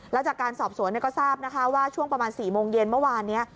แล้วจากการสอบสวนก็ทราบนะคะว่าช่วงประมาณ๔โมงเย็นเมื่อวานนี้